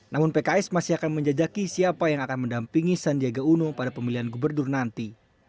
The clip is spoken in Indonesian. namun pks masih akan menjajaki siapa yang akan mendampingi sandiaga uno pada pemilihan gubernur nanti